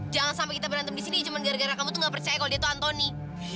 jangan sampai kita berantem di sini cuma gara gara kamu tuh gak percaya kalau dia tuh antoni